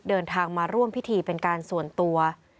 เดินทางมาร่วมพิธีเป็นการส่วนตัว